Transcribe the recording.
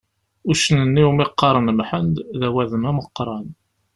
Uccen-nni iwmi qqaren Mḥend, d awadem ameqqran.